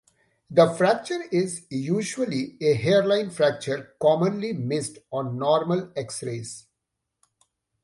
The fracture is usually a hairline fracture, commonly missed on normal X-rays.